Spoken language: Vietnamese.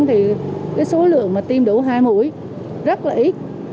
thì số lượng mà tiêm đấu hai mũi rất là ít